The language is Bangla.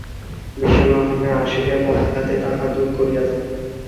বিষণ্ণভাব আসিলে পদাঘাতে তাহা দূর করিয়া দাও।